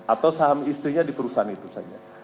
atau saham istrinya di perusahaan itu saja